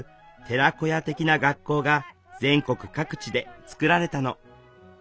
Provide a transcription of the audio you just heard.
寺子屋的な学校が全国各地で作られたの。